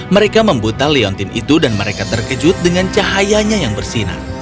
mereka membuta leontin itu dan mereka terkejut dengan cahayanya yang bersinar